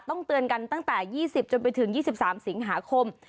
เตือนกันตั้งแต่๒๐จนไปถึง๒๓สิงหาคม